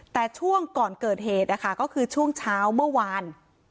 แต่ช่วงก่อนเกิดเหตุนะคะก็คือช่วงเช้าเมื่อวาน